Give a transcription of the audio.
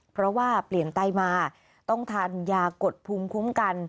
เพราะว่าเปลี่ยนไต้มาต้องทานยากดภูมิคุ้มกัน